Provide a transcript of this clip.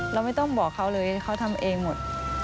เราไม่ต้องบอกเขาเลยเขาทำเองหมด